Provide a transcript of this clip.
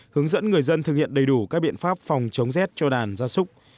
hướng dẫn người dân thực hiện đầy đủ các biện pháp phòng chống rét cho đàn gia súc